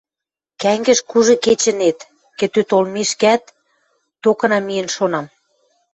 Кӓнгӹж кужы кечынет, кӹтӧ толмешкат, токына миэн шонам.